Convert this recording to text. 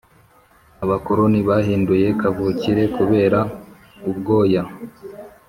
abakoloni bahinduye kavukire kubera ubwoya.